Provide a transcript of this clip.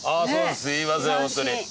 すいませんホントに。